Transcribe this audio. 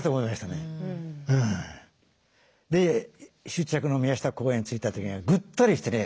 終着の宮下公園着いた時にはぐったりしてね